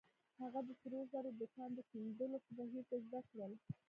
هغه د سرو زرو د کان د کیندلو په بهير کې زده کړل.